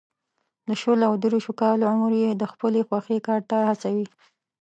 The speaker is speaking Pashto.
د شلو او دېرشو کالو عمر کې یې د خپلې خوښې کار ته هڅوي.